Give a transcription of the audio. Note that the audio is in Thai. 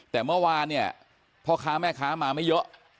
แต่เมื่อวานเนี่ยพ่อค้าแม่ค้ามาไม่เยอะ